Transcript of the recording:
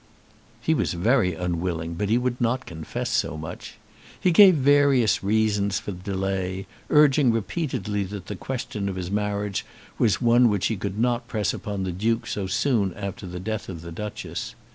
He was very unwilling, but he would not confess so much. He gave various reasons for delay, urging repeatedly that the question of his marriage was one which he could not press upon the Duke so soon after the death of the Duchess.